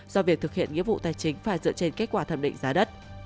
do việc thực hiện nghĩa vụ tài chính phải dựa trên kết quả thẩm định giá đất